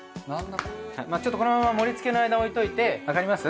ちょっとこの盛りつけの間置いといてわかります？